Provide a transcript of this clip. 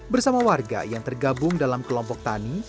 bersama warga yang tergabung dalam kelompok tani